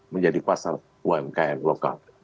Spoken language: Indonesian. menjadi pasar umkm lokal